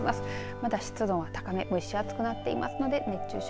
また、湿度も高めで蒸し暑くなっていますので熱中症